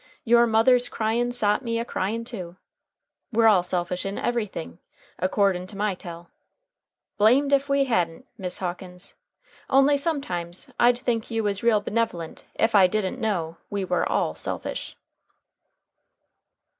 Your mother's cryin' sot me a cryin' too. We're all selfish in everything, akordin' to my tell. Blamed ef we ha'n't, Miss Hawkins, only sometimes I'd think you was real benev'lent ef I didn't know we war all selfish."